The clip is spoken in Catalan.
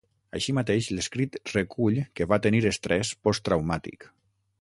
Així mateix, l’escrit recull que va tenir estrès posttraumàtic.